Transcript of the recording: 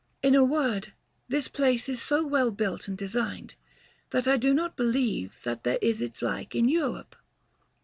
In a word, this place is so well built and designed, that I do not believe that there is its like in Europe.